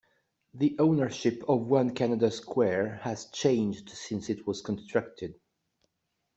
The ownership of One Canada Square has changed since it was constructed.